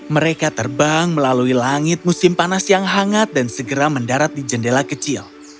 mereka terbang melalui langit musim panas yang hangat dan segera mendarat di jendela kecil